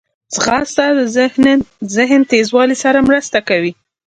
ځغاسته د ذهن تیزوالي سره مرسته کوي